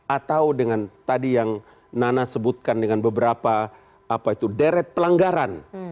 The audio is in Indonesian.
atau dengan tadi yang nana sebutkan dengan beberapa apa itu deret pelanggaran